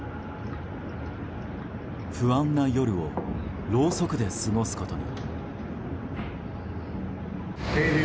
不安な夜をろうそくで過ごすことに。